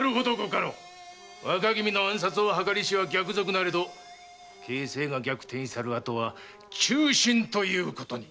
若君の暗殺を計りしは逆賊なれど形勢が逆転したるあとは忠臣ということに！